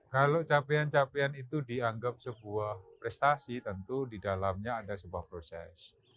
kalau capaian capaian itu dianggap sebuah prestasi tentu di dalamnya ada sebuah proses